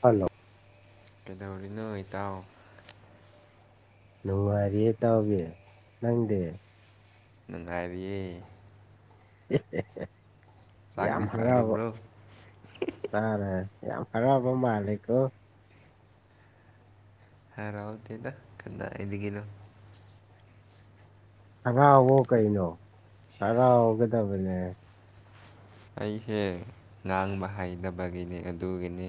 Hello ꯀꯩꯗꯧꯔꯤꯅꯣ ꯏꯇꯥꯎ ꯅꯨꯡꯉꯥꯏꯔꯤꯌꯦ ꯏꯇꯥꯎꯕꯤ ꯅꯪꯗꯤ ꯅꯨꯡꯉꯥꯏꯔꯤꯌꯦ꯫ ꯌꯥꯝ ꯆꯥꯛꯗꯤ ꯍꯔꯥꯎꯔꯣ ꯆꯥꯔꯤꯕ꯭ꯔꯣ ꯇꯥꯔ ꯌꯥꯝ ꯍꯔꯥꯎꯕ ꯃꯥꯜꯂꯦꯀꯣ ꯍꯔꯥꯎꯇꯦꯗ ꯀꯗꯥꯏꯗꯒꯤꯅꯣ ꯍꯔꯥꯎꯋꯣ ꯀꯩꯅꯣ ꯍꯔꯥꯎꯒꯗꯕꯅꯦ꯫ ꯑꯩꯁꯦ ꯉꯥꯡꯕ ꯍꯩꯇꯕꯒꯤꯅꯤ ꯑꯗꯨꯒꯤꯅꯤ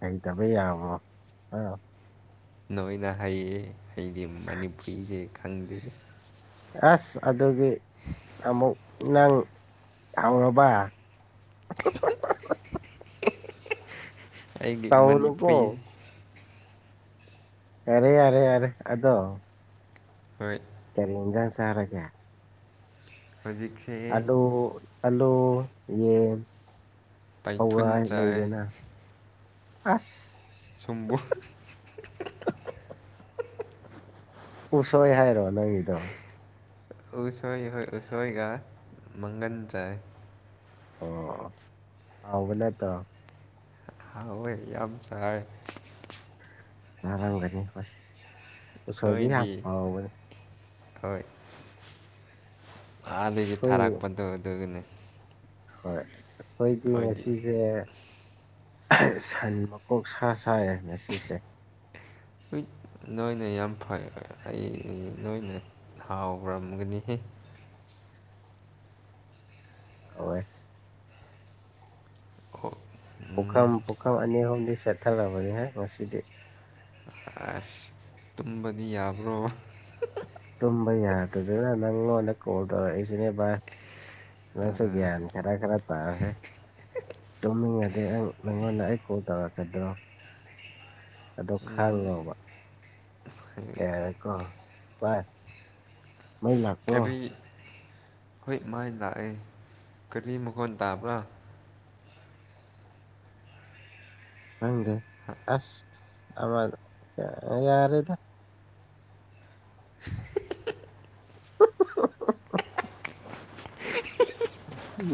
ꯍꯩꯇꯕ ꯌꯥꯕꯔꯣ ꯍꯥ ꯅꯣꯏꯅ ꯍꯩꯌꯦ ꯑꯩꯗꯤ ꯃꯅꯤꯄꯨꯔꯤꯖꯦ ꯈꯪꯗꯦ꯫ ꯑꯁ ꯑꯗꯨꯒꯤ ꯑꯃꯨꯛ ꯅꯪ ꯍꯧꯔꯕ [inaudible] ꯑꯩꯒꯤ ꯇꯧꯅꯨꯀꯣ ꯃꯅꯤꯄꯨꯔꯤ꯫ ꯌꯥꯔꯦ ꯌꯥꯔꯦ ꯌꯥꯔꯦ ꯑꯗꯣ ꯍꯣꯏ ꯀꯔꯤ ꯏꯟꯖꯥꯡ ꯆꯥꯔꯒꯦ꯫ ꯍꯧꯖꯤꯛ ꯑꯥꯂꯨ ꯑꯥꯂꯨ ꯌꯦꯟ ꯇꯥꯏꯊꯨꯟ ꯆꯥꯏ ꯂꯩꯗꯅ꯫ ꯑꯁ ꯁꯝꯕꯣ ꯎꯁꯣꯏ ꯍꯥꯏꯔꯣ ꯅꯪꯒꯤꯗꯣ꯫ ꯎꯁꯣꯏ ꯍꯣꯏ ꯎꯁꯣꯏꯒ ꯃꯪꯒꯟ ꯆꯥꯏ꯫ ꯑꯣ ꯍꯥꯎꯕꯅꯠꯇꯣ꯫ ꯍꯥꯎꯋꯦ ꯌꯥꯝ ꯆꯥꯔꯦ꯫ ꯆꯥꯔ ꯂꯣꯏꯔꯦ ꯍꯣꯏ ꯎꯁꯣꯏꯗꯤ ꯌꯥꯝ ꯅꯣꯏꯗꯤ ꯍꯥꯎꯕꯅꯦ ꯍꯣꯏ꯫ ꯑꯥꯗꯒꯤ ꯑꯩꯈꯣꯏ ꯊꯥꯔꯛꯄꯗꯣ ꯑꯗꯨꯒꯤꯅꯤ꯫ ꯍꯣꯏ ꯑꯩꯈꯣꯏꯗꯤ ꯑꯩꯈꯣꯏꯗꯤ ꯉꯁꯤꯖꯦ꯫ ꯁꯟ ꯃꯀꯣꯛ ꯁꯥ ꯆꯥꯏꯌꯦ ꯉꯁꯤꯁꯦ꯫ ꯍꯨꯏꯠ ꯅꯣꯏꯅ ꯌꯥꯝ ꯐ ꯑꯩ ꯅꯣꯏꯅ ꯊꯥꯎꯔꯝꯒꯅꯤꯍꯦ꯫ ꯍꯥꯎꯋꯦ꯫ [unintelligible] ꯄꯨꯈꯝ ꯄꯨꯈꯝ ꯑꯅꯤ ꯑꯍꯨꯝꯗꯤ ꯁꯦꯠꯊꯂꯕꯅꯤꯍꯦ ꯉꯁꯤꯗꯤ꯫ ꯑꯁ ꯇꯨꯝꯕꯗꯤ ꯌꯥꯕ꯭ꯔꯣ꯫ ꯇꯨꯝꯕ ꯌꯥꯗꯗꯅ ꯅꯪꯉꯣꯟꯗ ꯀꯣꯜ ꯇꯧꯔꯛꯏꯁꯤꯅꯦ ꯚꯥꯏ ꯅꯪꯁꯨ ꯒ꯭ꯌꯥꯟ ꯈꯔ ꯈꯔ ꯇꯥꯎꯍꯦ ꯇꯨꯝꯅꯤꯡꯉꯗꯤ ꯅꯪꯉꯣꯟꯗ ꯑꯩ ꯀꯣꯜ ꯇꯧꯔꯛꯀꯗ꯭ꯔꯣ ꯑꯗꯣ ꯎꯝ ꯈꯜꯂꯣꯕ ꯌꯥꯔꯦꯀꯣ ꯕꯥꯏ ꯃꯩ ꯂꯥꯛ ꯀꯔꯤ꯫ ꯍꯣꯏ ꯃꯥꯏ ꯂꯥꯛꯑꯦ ꯀꯔꯤ ꯃꯈꯣꯟ ꯇꯥꯕ꯭ꯔꯥ꯫ ꯈꯪꯗꯦ ꯑꯁ ꯌꯥꯔꯦꯗ [unintelligible]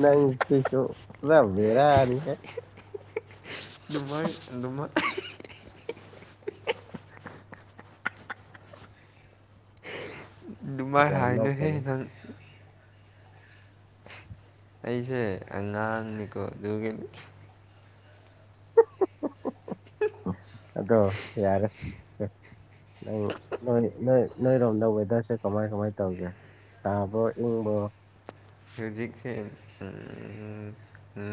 ꯅꯪꯁꯤꯁꯨ ꯄꯨꯔ ꯕꯦꯔꯥꯅꯤꯍꯦ꯫ ꯑꯗꯨꯃꯥꯏ ꯑꯗꯨꯃꯥꯏ ꯑꯗꯨꯃꯥꯏ ꯌꯥꯝ ꯍꯥꯏꯅꯣꯍꯦ ꯅꯣꯛꯄꯅꯤ ꯅꯪ ꯑꯩꯁꯦ ꯑꯉꯥꯡꯅꯤꯀꯣ ꯑꯗꯨꯒꯤꯅꯤ ꯑꯗꯣ ꯌꯥꯔꯦ꯫ ꯅꯪ ꯅꯣꯏ ꯅꯣꯏ ꯅꯣꯏꯔꯣꯝꯗ ꯋꯦꯗꯔꯁꯦ ꯀꯃꯥꯏ ꯀꯃꯥꯏ ꯇꯧꯒꯦ꯫ ꯁꯥꯕꯣ ꯏꯪꯕꯣ ꯇꯔꯦꯖꯤꯛꯁꯦ ꯎꯝ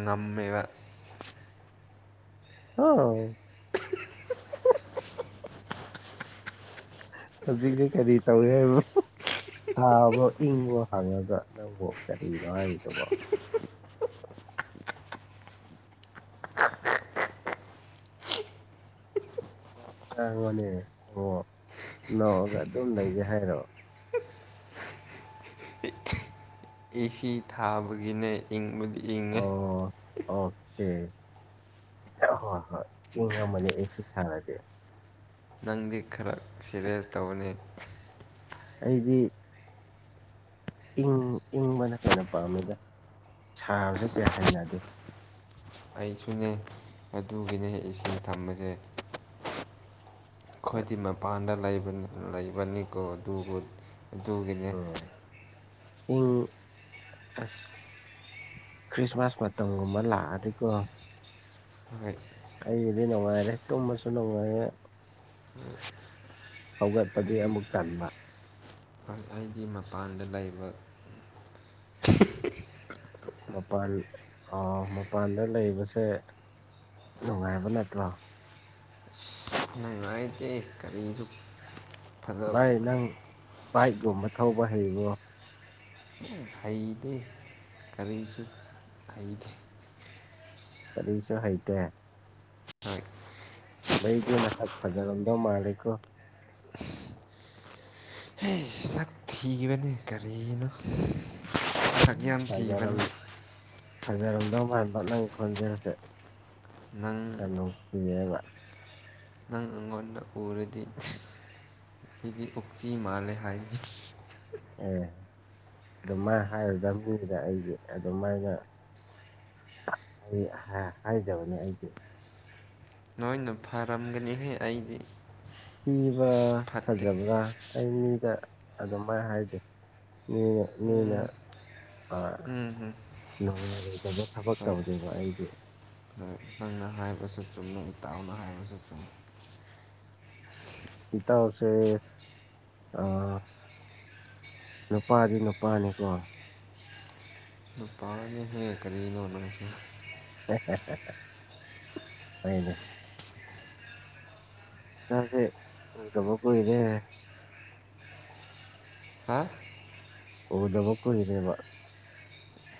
ꯅꯝꯃꯦꯕ꯫ ꯍꯣ꯫ ꯍꯧꯖꯤꯛꯇꯤ ꯀꯔꯤ ꯇꯧꯔꯤ ꯍꯥꯏꯕ ꯁꯥꯕꯔꯣ ꯏꯪꯕꯔꯣ ꯍꯪꯉꯒ ꯅꯪꯕꯨ ꯀꯔꯤꯅꯣ ꯍꯥꯏꯔꯤꯗꯨꯕꯣ꯫ ꯋꯥ ꯉꯥꯡꯉꯣꯅꯦ ꯅꯣꯛꯑꯒ ꯑꯗꯨꯝ ꯂꯩꯒꯦ ꯍꯥꯏꯔꯣ꯫ ꯑꯦꯁꯤ ꯊꯥꯕꯒꯤꯅꯦ ꯏꯪꯕꯗꯤ ꯏꯪꯉꯦ ꯑꯣ ꯑꯣꯀꯦ ꯍꯣꯏ ꯍꯣꯏ ꯏꯪꯉꯝꯃꯅꯤ ꯑꯦꯁꯤ ꯊꯥꯔꯗꯤ ꯅꯪꯗꯤ ꯈꯔ ꯁꯦꯔꯤꯌꯦꯁ ꯇꯧꯕꯅꯤ꯫ ꯑꯩꯗꯤ ꯏꯪ ꯏꯪꯕꯅ ꯍꯦꯟꯅ ꯄꯥꯝꯃꯤꯗ ꯁꯥꯕꯖꯦ ꯀꯌꯥ ꯍꯩꯅꯗꯦ꯫ ꯑꯩꯁꯨꯅꯦ ꯑꯗꯨꯒꯤꯅꯦ ꯏꯁꯤꯡ ꯊꯝꯕꯁꯦ꯫ ꯍꯣꯏ ꯑꯩꯈꯣꯏꯗꯤ ꯃꯄꯥꯟꯗ ꯂꯩꯕꯅꯤꯀꯣ ꯑꯗꯨꯕꯨ ꯑꯗꯨꯒꯤꯅꯦ ꯎꯝ ꯏꯪ ꯑꯁ꯫ ꯈ꯭ꯔꯤꯁꯃꯥꯁ ꯃꯇꯝꯒꯨꯝꯕ ꯂꯥꯛꯑꯗꯤꯀꯣ꯫ ꯍꯣꯏ꯫ ꯑꯩꯒꯤꯗꯤ ꯅꯨꯡꯉꯥꯏꯔꯦ ꯇꯨꯝꯃꯁꯨ ꯅꯨꯡꯉꯥꯏꯔꯦ꯫ ꯍꯧꯒꯠꯄꯗꯤ ꯍꯥꯏꯗꯤ ꯑꯃꯨꯛ ꯇꯟꯕ꯫ ꯑꯩꯗꯤ [unintelligible] ꯃꯄꯥꯟꯗ ꯂꯩꯕ꯫ ꯃꯄꯥꯟ ꯑꯣ ꯃꯄꯥꯟꯗ ꯂꯩꯕꯁꯦ ꯅꯨꯡꯉꯥꯏꯕ ꯅꯠꯇ꯭ꯔꯣ꯫ ꯑꯩꯗꯤ ꯀꯔꯤꯁꯨ ꯚꯥꯏ ꯐꯖꯕ ꯅꯪ ꯕꯥꯏꯛꯀꯨꯝꯕ ꯊꯧꯕ ꯍꯩꯕ꯭ꯔꯣ ꯍꯩꯇꯦ ꯀꯔꯤꯁꯨ ꯍꯩꯇꯦ ꯀꯔꯤꯁꯨ ꯍꯩꯇꯦ꯫ ꯍꯣꯏ ꯃꯩꯗꯤ ꯃꯁꯛ ꯐꯖꯔꯝꯗꯧ ꯃꯥꯂꯦꯀꯣ ꯍꯦ ꯁꯛ ꯊꯤꯕꯅꯦ ꯀꯔꯤꯅꯣ ꯁꯛ ꯌꯥꯝ ꯊꯤꯕꯅꯦ ꯐꯖꯔꯝ ꯐꯖꯔꯝꯗꯧ ꯃꯥꯟꯕ ꯅꯪ ꯈꯣꯟꯖꯦꯜꯁꯦ ꯅꯪ ꯌꯥꯝ [unintelligible] ꯀꯤꯌꯦꯕ꯫ ꯅꯪ ꯎꯪꯉꯣꯏ꯫ ꯑꯗꯨꯅ ꯎꯔꯗꯤ ꯑꯩꯗꯤ ꯑꯣꯛꯆꯤ ꯃꯥꯜꯂꯦ ꯍꯥꯏꯑꯦ ꯑꯦ ꯑꯗꯨ ꯃꯥꯥꯏꯅ ꯍꯥꯏꯔꯗꯕꯅꯤꯗ ꯑꯩꯗꯤ ꯑꯗꯨꯃꯥꯏꯅ꯫ ꯑꯩ ꯍꯥꯏꯖꯕꯅꯦ ꯑꯩꯁꯦ ꯅꯣꯏꯅ ꯐꯔꯝꯒꯅꯤꯍꯦ ꯑꯩꯗꯤ꯫ ꯊꯤꯕ ꯐꯠꯇꯦ ꯐꯖꯕꯔ꯫ ꯑꯩ ꯃꯤꯗ ꯑꯗꯨꯃꯥꯏꯅ ꯍꯥꯏꯗꯦ ꯃꯤꯅ ꯃꯤꯅ ꯎꯝ ꯎꯝ ꯍꯝ ꯅꯨꯡꯉꯥꯏꯔꯣꯏꯗꯕ ꯊꯕꯛ ꯇꯧꯗꯦꯕ ꯑꯩꯗꯤ꯫ ꯎꯝ ꯅ ꯍꯥꯏꯕꯁꯨ ꯆꯨꯝꯃꯦ ꯏꯇꯥꯎꯅ ꯍꯥꯏꯕꯁꯨ ꯆꯨꯝꯃꯦ꯫ ꯏꯇꯥꯎꯁꯦ ꯑꯥ꯫ ꯅꯨꯄꯥꯗꯤ ꯅꯨꯄꯥꯅꯤꯀꯣ꯫ ꯑꯗꯨ ꯄꯥꯅꯦ ꯍꯦ ꯀꯔꯤꯅꯣ꯫ ꯍꯦ ꯍꯦ ꯍꯏꯅꯦ ꯏꯁꯁꯦ ꯎꯗꯕ ꯀꯨꯏꯔꯦ꯫ ꯍꯥ ꯎꯗꯕ ꯀꯨꯏꯔꯦꯕ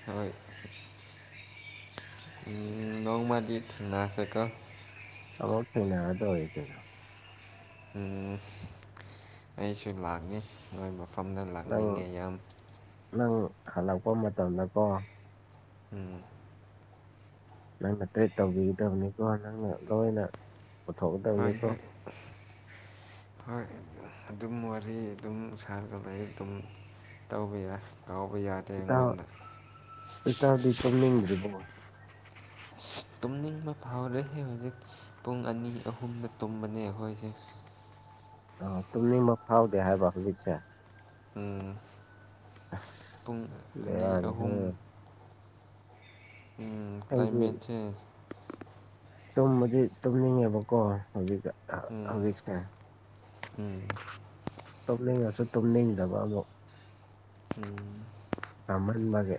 ꯍꯣꯏ ꯎꯝ꯫ ꯅꯣꯡ ꯃꯥꯗꯤ ꯊꯦꯡ ꯅꯥꯁꯤꯀꯣ ꯑꯃꯣꯛ ꯊꯦꯡꯅꯔ ꯇꯧꯏ ꯀꯩꯅꯣ꯫ ꯎꯝ ꯑꯩꯁꯨ ꯂꯥꯛꯅꯤ ꯅꯣꯏ ꯃꯐꯝꯗ ꯅꯪ ꯂꯥꯛꯅꯤꯡꯉꯤ ꯌꯥꯝ ꯅꯪ ꯍꯜꯂꯛꯄ ꯃꯇꯝꯗꯀꯣ ꯎꯝ꯫ ꯅꯪꯅ ꯒꯥꯏꯠ ꯇꯧꯕꯤꯒꯗꯕꯅꯤꯀꯣ ꯅꯪꯅ ꯂꯣꯏꯅ꯫ ꯍꯣꯏ ꯄꯨꯊꯣꯛꯀꯗꯕꯅꯤꯀꯣ ꯍꯣꯏ [inaudible] ꯍꯣꯏ ꯑꯗꯨꯝ ꯋꯥꯔꯤ ꯑꯗꯨꯝ ꯁꯥꯔꯒ ꯂꯩ ꯑꯗꯨꯝ ꯇꯧꯕ ꯌꯥꯏ ꯇꯧꯕꯥ ꯌꯥꯗ ꯏꯇꯧ ꯏꯇꯧꯗꯤ ꯇꯨꯝꯅꯤꯡꯗ꯭ꯔꯤꯕꯣ ꯇꯨꯝꯅꯤꯡꯕ ꯐꯥꯎꯔꯦꯅꯦ ꯍꯧꯖꯤꯛ ꯄꯨꯡ ꯑꯅꯤ ꯑꯍꯨꯝꯗ ꯇꯨꯝꯕꯅꯦ ꯑꯩꯈꯣꯏꯁꯦ꯫ ꯑ ꯇꯨꯝꯅꯤꯡꯃꯛ ꯐꯥꯎꯗꯦ ꯍꯥꯏꯕ ꯍꯧꯖꯤꯛꯁꯦ꯫ ꯎꯝ ꯑꯁ ꯄꯨꯡ ꯑꯅꯤ ꯕꯤꯔꯥꯅꯤꯗ꯫ ꯑꯍꯨꯝ ꯎꯝ ꯑꯩꯗꯤ ꯀ꯭ꯂꯥꯏꯃꯦꯠ ꯆꯦꯟꯖ꯫ ꯇꯨꯝꯕꯗꯤ ꯇꯨꯝꯅꯤꯡꯉꯦꯕꯀꯣ ꯍꯧꯖꯤꯛꯇ꯫ ꯎꯝ ꯎꯝ ꯇꯨꯝꯅꯤꯡꯉꯁꯨ ꯇꯨꯝꯅꯤꯡꯗꯕ ꯑꯃꯨꯛ ꯎꯝ ꯀꯔꯝ ꯕꯒꯤ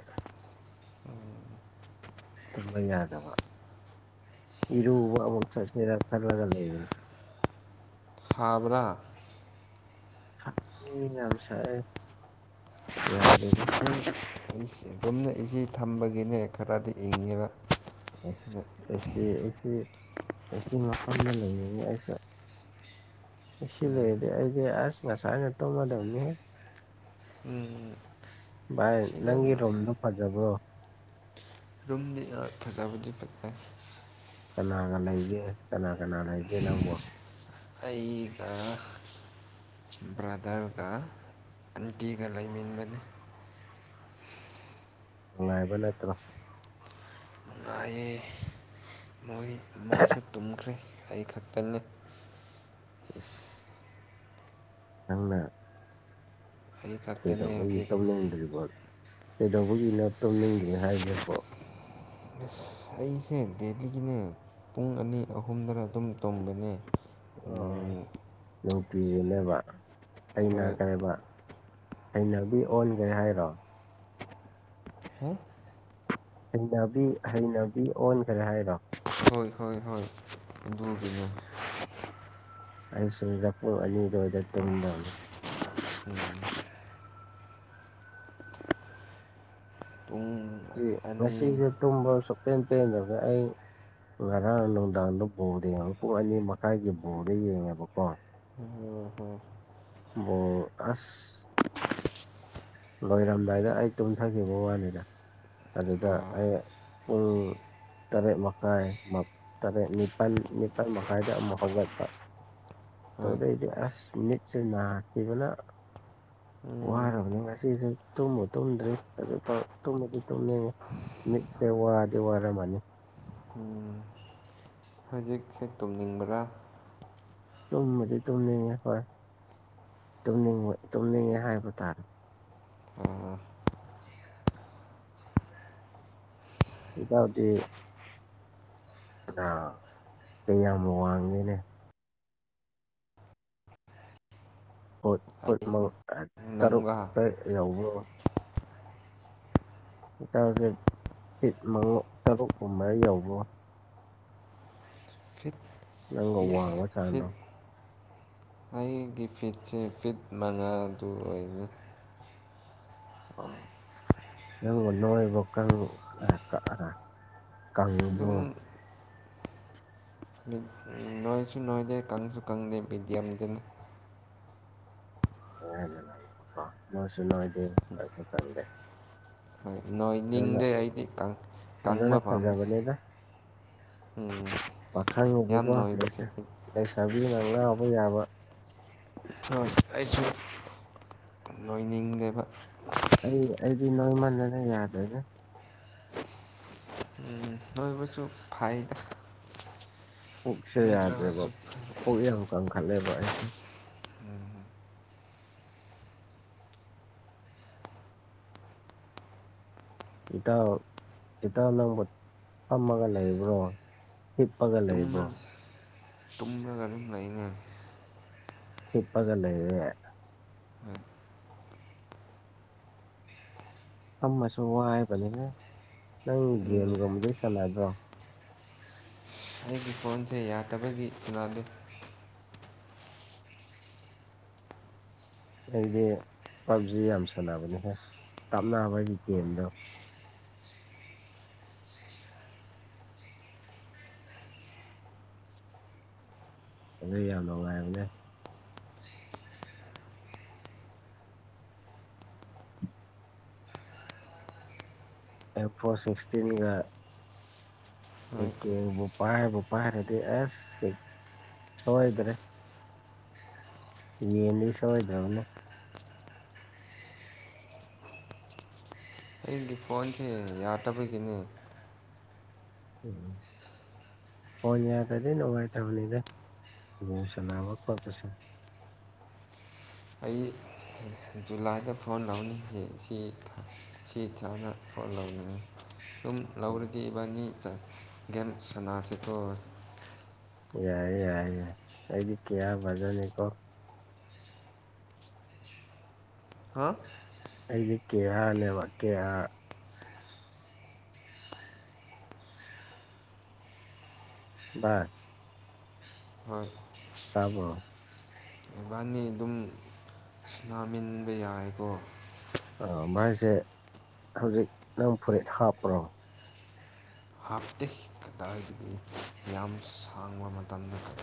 ꯇꯨꯝꯕ ꯌꯥꯗꯕ ꯏꯔꯨꯕ ꯑꯃꯨꯛ ꯆꯠꯁꯤꯔ ꯈꯜꯂꯒ ꯂꯩꯕ ꯁꯥꯕꯔꯥ ꯃꯤ ꯌꯥꯝꯁꯥꯑꯦ ꯌꯥꯗꯤ꯫ ꯑꯗꯨꯨꯝ ꯔꯨꯝꯗ ꯏꯁꯤ ꯊꯝꯕꯒꯤꯅꯦ ꯈꯔꯗꯤ ꯏꯪꯉꯦꯕ꯫ ꯑꯁ ꯁꯤꯗ ꯑꯗꯤ ꯑꯩꯗꯤ ꯑꯁꯇꯤ ꯃꯐꯝꯗ ꯂꯩꯌꯦꯅꯦ ꯑꯩꯁꯦ꯫ ꯁꯤ ꯎꯝ ꯂꯩꯔꯗꯤ ꯑꯩꯗꯤ ꯑꯁ ꯉꯁꯥꯏꯅ ꯇꯧꯝꯃꯗꯝꯅꯤꯍꯦ꯫ ꯎꯝꯝ ꯚꯥꯏ ꯅꯪꯒꯤ ꯔꯣꯝꯗꯣ ꯐꯖꯕꯔꯣ꯫ ꯔꯨꯝꯗꯤꯅ ꯐꯖꯕꯗꯤ ꯐꯠꯖꯩ꯫ ꯀꯅꯥꯒ ꯂꯩꯒꯦ ꯀꯅꯥ ꯀꯅꯥ ꯂꯩꯒꯦ ꯅꯪꯕꯣ꯫ ꯑꯩꯒ ꯕ꯭ꯔꯥꯗꯔꯒ ꯑꯟꯇꯤꯒ ꯂꯩꯃꯤꯟꯅꯥꯕꯅꯤ ꯅꯨꯡꯉꯥꯏꯕ ꯅꯠꯇ꯭ꯔꯣ꯫ ꯅꯨꯡꯉꯥꯏꯌꯦ ꯃꯣꯏ ꯃꯣꯏꯁꯨ ꯇꯨꯝꯈ꯭ꯔꯦ ꯑꯩ ꯈꯛꯇꯪꯅꯤ꯫ ꯑꯁ꯫ ꯅꯪꯅ꯫ ꯑꯩ ꯈꯛꯇꯅꯦ ꯀꯩꯗꯧꯕꯒꯤ ꯍꯧꯖꯤꯛ ꯇꯧꯅꯤꯡꯗ꯭ꯔꯤꯕꯣ ꯀꯩꯗꯧꯕꯒꯤꯅ ꯇꯧꯅꯤꯡꯗ꯭ꯔꯤ ꯍꯥꯏꯔꯤꯁꯦꯕꯣ꯫ ꯁ ꯑꯩꯁꯦ ꯗꯦꯂꯤꯒꯤꯅꯦ ꯄꯨꯡ ꯑꯅꯤ ꯑꯍꯨꯝꯗꯅ ꯑꯗꯨꯝ ꯇꯣꯝꯕꯅꯦ ꯑꯣ ꯅꯨꯡꯇꯤꯒꯤꯅꯦꯕ ꯑꯩꯅꯥ ꯍꯣꯏ ꯀꯔꯤ ꯕ ꯍꯩꯅꯕꯤ ꯑꯣꯟꯒꯦ ꯍꯥꯏꯔꯣ ꯍꯥ ꯍꯩꯅꯕꯤ ꯍꯩꯅꯕꯤ ꯑꯣꯟꯈ꯭ꯔꯦ ꯍꯥꯏꯔꯣ꯫ ꯍꯣꯏ ꯍꯣꯏ ꯍꯣꯏ ꯑꯗꯨꯒꯤꯅꯦ ꯑꯩ ꯁꯤꯗꯥ ꯄꯨꯡ ꯑꯅꯤ ꯑꯗꯨꯋꯥꯏꯗꯥ ꯇꯨꯝꯗꯕꯅꯤ ꯎꯝ꯫ ꯎꯝ꯫ ꯉꯁꯤꯁꯨꯦ ꯇꯨꯝꯕ ꯁꯇꯦꯟ ꯇꯦꯟꯗ꯭ꯔꯦ ꯑꯩ ꯉꯔꯥꯡ ꯅꯨꯡꯗꯥꯡꯗ ꯕꯣꯔꯗ ꯌꯦꯡꯉꯕ ꯄꯨꯡ ꯑꯅꯤ ꯃꯈꯥꯏꯒꯤ ꯕꯣꯔꯗ ꯌꯦꯡꯉꯦꯕꯀꯣ ꯑꯣ ꯑꯁ꯫ ꯂꯣꯏꯔꯝꯗꯥꯏꯗ ꯑꯩ ꯇꯨꯝꯊꯈꯤꯕ ꯋꯥꯅꯤꯗ ꯑꯗꯨꯗ ꯑꯥ ꯑꯩ ꯄꯨꯡ ꯇꯔꯦꯠ ꯃꯈꯥꯏ ꯇꯔꯦꯠ ꯅꯤꯄꯥꯜ ꯅꯤꯄꯥꯜ ꯃꯈꯥꯏꯗ ꯑꯃꯨꯛ ꯍꯧꯒꯠꯄ꯫ ꯍꯣꯏ ꯇꯧꯗꯩꯗꯤ ꯑꯁ ꯃꯤꯠꯁꯦ ꯅꯥꯔꯈꯤꯕꯅ ꯎꯝ ꯋꯥꯔꯕꯅꯤ ꯉꯥ ꯁꯤꯁꯨ ꯇꯨꯝꯕꯨ ꯇꯨꯝꯗ꯭ꯔꯦ ꯍꯧꯖꯤꯛꯐꯥꯎ ꯇꯨꯝꯕꯗꯤ ꯇꯨꯝꯅꯤꯡꯉꯦ꯫ ꯃꯤꯠꯁꯦ ꯋꯥꯗꯤ ꯋꯥꯔꯝꯃꯅꯤ꯫ ꯎꯝ ꯃꯤꯠ ꯁꯦ ꯇꯨꯝꯅꯤꯡꯕ꯭ꯔꯥ꯫ ꯇꯨꯝꯕꯗꯤ ꯇꯨꯝꯅꯤꯡꯉꯦ ꯍꯣꯏ ꯇꯨꯝꯅꯤꯡꯕ ꯇꯨꯝꯅꯤꯡꯉꯦ ꯍꯥꯏꯕ ꯇꯥꯔꯦ ꯑꯥ ꯏꯇꯧꯗꯤ ꯑ ꯀꯩꯌꯥꯝ ꯋꯥꯡꯒꯦꯅꯦ ꯐꯨꯠꯛ ꯇꯔꯨꯛ ꯇꯥꯔꯦꯠ ꯅꯪꯔꯥ ꯇꯧꯕꯔꯣ꯫ ꯍꯣꯛꯇꯥꯁꯦ ꯄꯤꯠ ꯃꯉꯥ ꯇꯔꯨꯛꯀꯨꯝꯕ ꯌꯧꯕ꯭ꯔꯣ ꯐꯤꯠ ꯅꯪꯕꯨ ꯑꯦ ꯋꯥꯡꯕ ꯐꯤꯠ ꯆꯥꯡꯗꯣ ꯑꯩꯒꯤ ꯐꯤꯠꯁꯦ ꯐꯤꯠ ꯃꯉꯥꯗꯨ ꯑꯣꯏꯅꯤ꯫ ꯑꯣ ꯌꯥꯝ ꯃꯟꯅꯕ ꯀꯪꯉꯥꯕꯣ꯫ ꯑꯗꯨꯝ ꯅꯣꯏꯁꯨ ꯅꯣꯏꯗꯦ ꯀꯪꯁꯨ ꯀꯪꯗꯦ ꯃꯤꯗꯤꯌꯝꯗꯅꯤ꯫ ꯍꯁꯅꯣ ꯍꯥꯏꯗꯤꯦ ꯀ ꯀꯗꯦ ꯍꯣꯏ ꯅꯣꯏ ꯅꯤꯡꯗꯦ ꯑꯩꯗꯤ ꯀꯪꯕ ꯐꯖꯅ ꯄꯥꯝꯃꯤ꯫ ꯐꯖꯕꯅꯤꯗ ꯎꯝ ꯌꯥꯝ ꯄꯥꯈꯪꯒꯤꯗꯤꯀꯣ ꯂꯩꯁꯥ ꯅꯣꯏꯕꯁꯦꯗꯤ ꯂꯩꯁꯥꯕꯤꯅ ꯉꯧꯎꯕꯥ ꯌꯥꯕ ꯍꯣꯏ ꯑꯩꯁꯨ ꯂꯣꯏꯅꯤꯡꯗꯦꯕ꯫ ꯑꯩ ꯑꯩꯗꯤ ꯅꯣꯡꯃꯥꯜꯂꯦꯗ ꯌꯥꯗꯔꯦꯗ꯫ ꯎ ꯂꯣꯏꯕꯁꯨ ꯐꯩꯗ꯫ ꯄꯨꯛꯁꯦ ꯌꯥꯗ꯭ꯔꯦꯕ ꯅꯣꯏꯗ꯭ꯔꯒꯁꯨ ꯄꯨꯛ ꯌꯥꯝ ꯀꯟꯈꯠꯂꯦꯕ ꯑꯩꯁꯦ꯫ ꯎꯝ ꯏꯇ ꯏꯇ ꯅꯪꯕꯨ ꯐꯝꯃꯒ ꯂꯩꯕ꯭ꯔꯣ ꯍꯤꯞꯄꯒ ꯂꯩꯕꯔꯣ ꯇꯨꯝꯔꯒ ꯑꯗꯨꯝ ꯂꯩꯅꯦ ꯇꯤꯞꯄꯒꯂ ꯏꯦ ꯐꯝꯃꯁꯨ ꯋꯥꯏꯕꯅꯦꯍꯦ ꯅꯪ ꯑꯩꯒꯤ ꯒꯦꯝꯒꯨꯝꯕꯗꯤ ꯁꯥꯟꯅꯗ꯭ꯔꯣ ꯑꯩꯒꯤ ꯐꯣꯟꯁꯦ ꯌꯥꯇꯕꯒꯤ ꯁꯅꯥꯗꯦ ꯑꯩꯗꯤ ꯄꯞꯖꯤ ꯌꯥꯝ ꯁꯥꯟꯅꯕꯅꯤꯍꯦ ꯀꯥꯞꯅꯕꯒꯤ ꯒꯦꯝꯗꯣ ꯑꯗꯨ ꯌꯥꯝ ꯅꯨꯡꯉꯥꯏꯕꯅꯦ ꯑꯦꯝ ꯐꯣꯔ ꯁꯤꯛꯁꯇꯤꯟꯒ ꯍꯣꯏ ꯑꯦꯀꯦꯕꯨ ꯄꯥꯏꯕꯨ ꯄꯥꯏꯔꯗꯤ ꯑꯁ ꯁꯣꯏꯗ꯭ꯔꯦ ꯌꯦꯟꯅꯤ ꯁꯣꯏꯗ꯭ꯔꯕꯅꯤ ꯑꯩꯒꯤ ꯐꯣꯟꯁꯦ ꯌꯥꯇꯕꯒꯤꯅꯤ [unintelligible] ꯐꯣꯟ ꯌꯥꯗ꯭ꯔꯗꯤ ꯅꯨꯡꯉꯥꯏꯇꯕꯅꯤꯗ ꯒꯦꯝ ꯁꯥꯟꯅꯕ ꯈꯣꯠꯄꯁꯨ ꯑꯩ ꯖꯨꯂꯥꯏꯗ ꯐꯣꯟ ꯂꯧꯅꯤ ꯁꯤ ꯁꯤ [unintelligible] ꯐꯣꯟ ꯂꯧꯅꯉꯥꯏ ꯁꯨꯝ ꯎꯝ ꯂꯧꯔꯗꯤ ꯏꯕꯥꯅꯤ ꯒꯦꯝ ꯁꯥꯟꯅꯁꯤꯀꯣ ꯌꯥꯏꯌꯦ ꯌꯥꯏꯌꯦ ꯑꯩꯗꯤ ꯀ꯭ꯌꯥ ꯚꯖꯟꯅꯤꯀꯣ ꯍꯥ ꯑꯩꯗꯤ ꯀꯦ ꯑꯥꯔꯅꯦꯕ ꯀꯦ ꯑꯥꯔ ꯚꯥꯏ ꯍꯣꯏ ꯇꯥꯕ꯭ꯔꯣ ꯏꯕꯥꯅꯤ ꯑꯗꯨꯝ ꯁꯥꯟꯅꯃꯤꯟꯕ ꯌꯥꯏꯀꯣ ꯑ ꯚꯥꯏꯁꯦ ꯍꯧꯖꯤꯛ ꯅꯪ ꯐꯨꯔꯤꯠ ꯍꯥꯞꯄ꯭ꯔꯣ ꯍꯥꯞꯇꯦ ꯀꯗꯥꯏꯗꯒꯤ ꯌꯥꯝ ꯁꯥꯡꯕ ꯃꯇꯝꯗ